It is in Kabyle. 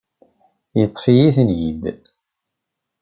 Yeṭṭef-iyi-ten-id.